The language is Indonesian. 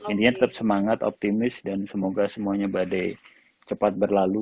intinya tetap semangat optimis dan semoga semuanya badai cepat berlalu